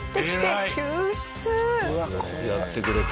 よくやってくれた。